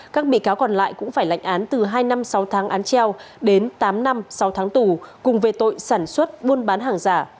các bị cáo còn lại cũng phải lệnh án từ hai năm sáu tháng án treo đến tám năm sáu tháng tù cùng về tội sản xuất buôn bán hàng giả